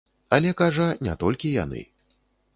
Але, кажа, не толькі яны.